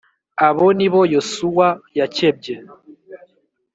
Abo ni bo yosuwa yakebye